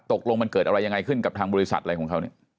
ตกลงมันเกิดอะไรยังไงขึ้นกับทางบริษัทอะไรของเขาเนี่ย